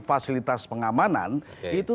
fasilitas pengamanan itu